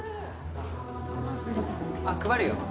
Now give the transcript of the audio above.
あっ配るよ。